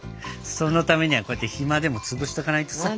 そのためにはこうやって暇でもつぶしとかないとさ。